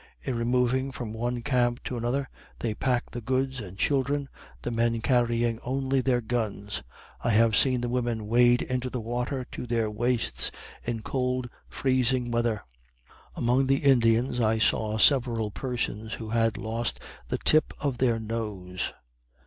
In removing from one camp to another, they pack the goods and children the men carrying only their guns. I have seen the women wade into the water to their waists in cold freezing weather. Among the Indians, I saw several persons who had lost the tip of their nose.